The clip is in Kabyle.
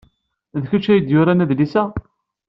D kečč ay d-yuran adlis-a?